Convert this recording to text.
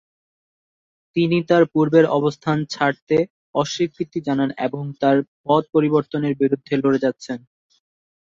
তিনি তার পূর্বের অবস্থান ছাড়তে অস্বীকৃতি জানান এবং তার পদ পরিবর্তনের বিরুদ্ধে লড়ে যাচ্ছেন।